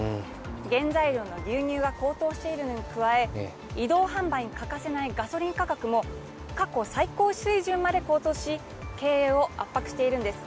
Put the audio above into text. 原材料の牛乳が高騰しているのに加え移動販売に欠かせないガソリン価格も過去最高水準まで高騰し経営を圧迫しているんです。